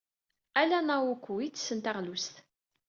Ala Naoko ay ittessen taɣlust.